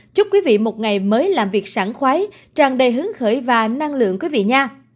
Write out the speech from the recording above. chúc quý vị một ngày mới làm việc sản khoái tràn đầy hướng khởi và năng lượng quý vị nha